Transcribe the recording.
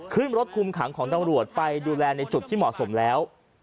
ขึ้นรถคุมขังของตำรวจไปดูแลในจุดที่เหมาะสมแล้ว